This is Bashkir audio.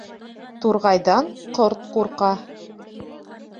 Турғайҙан ҡорт ҡурҡа.